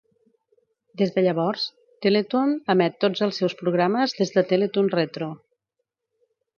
Des de llavors, Teletoon emet tots els seus programes des de Teletoon Retro.